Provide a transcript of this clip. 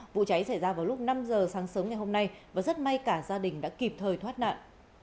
vụ cháy xảy ra vào lúc năm giờ sáng sớm ngày hôm nay và rất may cả gia đình đã kịp thời thoát nạn